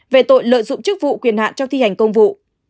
về tội lợi dụng chức vụ quyền hạn trong thi hành công vụ